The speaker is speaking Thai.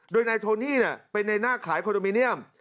โดยนายโทนี่เป็นในหน้าขายคอนโดมิเนียม